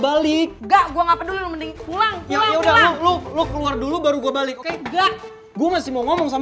bukan aku bikin kamuid